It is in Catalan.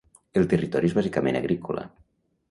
El territori és bàsicament agrícola.